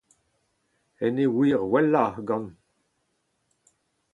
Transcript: en e wir wellañ gant